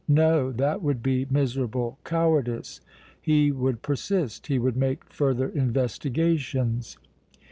No; that would be miserable cowardice! He would persist, he would make further investigations.